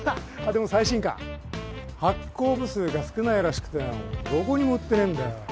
でも最新刊発行部数が少ないらしくてどこにも売ってねえんだよ。